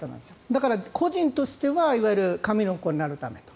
だから、個人としてはいわゆる神の子になるためと。